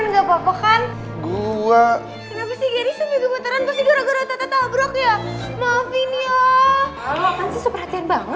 tapi thought jadi gua yang apa